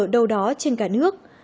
đâu đó trên cả nước